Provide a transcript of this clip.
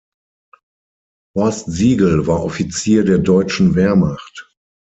Horst Siegel war Offizier der deutschen Wehrmacht.